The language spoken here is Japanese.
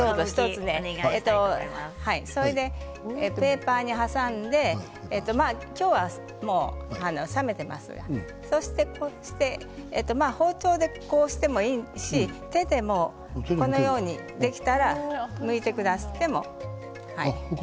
ペーパーに挟んで今日は冷めていますから包丁でこうしてもいいし、手でもできたらむいてくださっても。